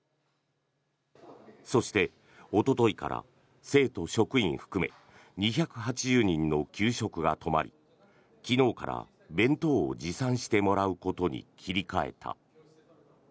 そして、おとといから生徒・職員含め２８０人の給食が止まり昨日から弁当を持参してもらうことに切り替えた。